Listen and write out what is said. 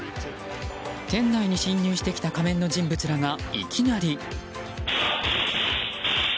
店内に侵入してきた仮面の人物らが、いきなり。